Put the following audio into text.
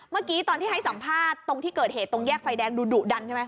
เมื่อกี้ตอนที่ให้สัมภาษณ์ตรงที่เกิดเหตุตรงแยกไฟแดงดูดุดันใช่ไหม